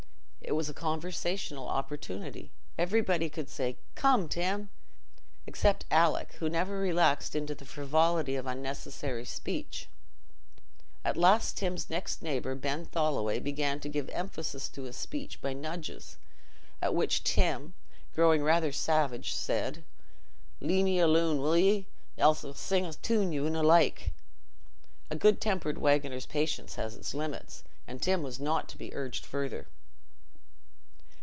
It was a conversational opportunity: everybody could say, "Come, Tim," except Alick, who never relaxed into the frivolity of unnecessary speech. At last, Tim's next neighbour, Ben Tholoway, began to give emphasis to his speech by nudges, at which Tim, growing rather savage, said, "Let me alooan, will ye? Else I'll ma' ye sing a toon ye wonna like." A good tempered waggoner's patience has limits, and Tim was not to be urged further.